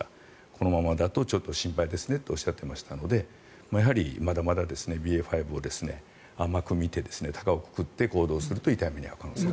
このままだと心配ですねとおっしゃっていましたのでやはりまだまだＢＡ．５も甘く見て高をくくって行動をすると痛い目を見ます。